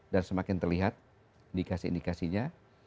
dan semakin terlihat indikasi indikasinya